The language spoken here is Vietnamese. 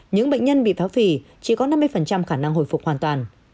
những bệnh nhân bị phá phỉ chỉ có năm mươi khả năng hồi phục hoàn toàn